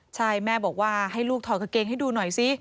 ใช่แม่บอกว่าให้ลูกถอดกางเกงให้ดูหน่อยซิ